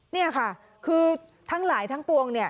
นี่ค่ะคือทั้งหลายทั้งปวง